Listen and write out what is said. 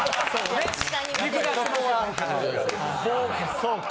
そうか。